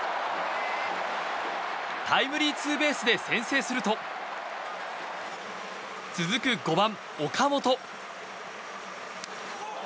タイムリーツーベースで先制すると続く５番、岡本。